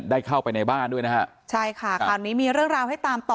ได้เข้าไปในบ้านด้วยนะฮะใช่ค่ะคราวนี้มีเรื่องราวให้ตามต่อ